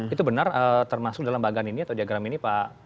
itu benar termasuk dalam bagan ini atau diagram ini pak